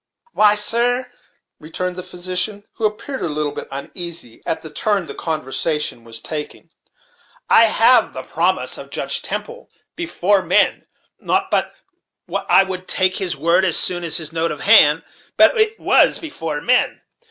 "Why, sir," returned the physician, who appeared a little uneasy at the turn the conversation was taking, "I have the promise of Judge Temple before men not but what I would take his word as soon as his note of hand but it was before men.